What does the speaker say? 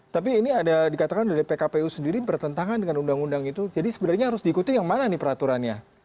tapi ini ada dikatakan dari pkpu sendiri bertentangan dengan undang undang itu jadi sebenarnya harus diikuti yang mana nih peraturannya